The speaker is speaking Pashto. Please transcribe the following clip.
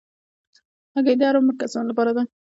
هګۍ د هر عمر کسانو لپاره ده.